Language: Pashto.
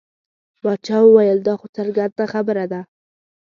باچا وویل دا خو څرګنده خبره ده.